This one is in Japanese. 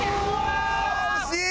惜しい！